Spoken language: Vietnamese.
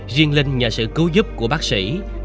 riêng linh nhà sự cứu giúp của bác sĩ